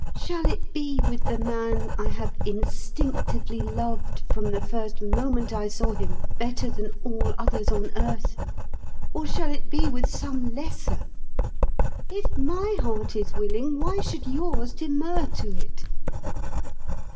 Shall it be with the man I have instinctively loved from the first moment I saw him, better than all others on earth, or shall it be with some lesser? If my heart is willing, why should yours demur to it?"